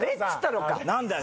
何だよ？